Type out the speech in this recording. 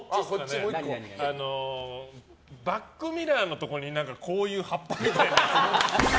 バックミラーのところにこういう葉っぱみたいなのついてる。